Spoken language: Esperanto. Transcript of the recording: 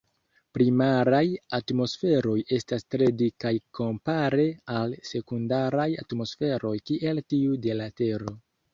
Primaraj atmosferoj estas tre dikaj kompare al sekundaraj atmosferoj kiel tiu de la Tero.